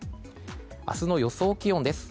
明日の予想気温です。